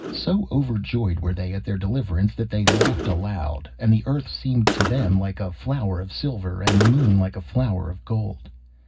So overjoyed were they at their deliverance that they laughed aloud, and the Earth seemed to them like a flower of silver, and the Moon like a flower of gold.